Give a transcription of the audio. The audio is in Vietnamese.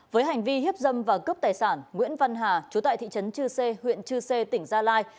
với hành vi hiếp dâm và cướp tài sản nguyễn văn hà chú tại thị trấn chư sê huyện chư sê tỉnh gia lai